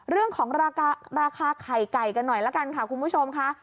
เรื่องของราคาราคาไข่ไก่กันหน่อยละกันค่ะคุณผู้ชมค่ะ